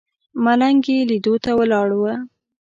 ملنګ یې لیدو ته ولاړ و.